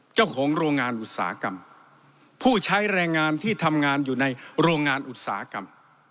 เจ้าของโรงงานอุตสาหกรรมผู้ใช้แรงงานที่ทำงานอยู่ในโรงงานอุตสาหกรรม